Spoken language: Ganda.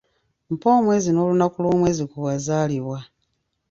Mpa omwezi n’olunaku lw'omwezi kwe wazaalibwa.